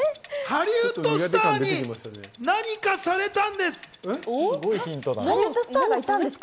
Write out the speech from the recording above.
ハリウッドスターに何かされたんです。